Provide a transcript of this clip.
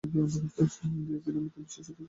সে cinema, বিশেষত classic সিনেমার খুব ভক্ত।